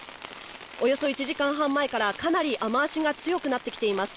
およそ１時間半前からかなり雨足が強くなってきています。